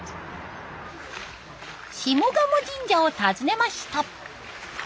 下鴨神社を訪ねました。